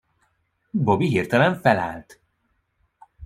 Bobby hirtelen felállt.